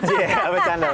iya apa bercanda